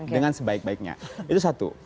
dengan sebaik baiknya itu satu